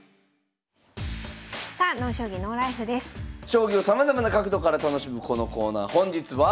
将棋をさまざまな角度から楽しむこのコーナー本日は。